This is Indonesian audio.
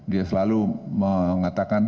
dia selalu mengatakan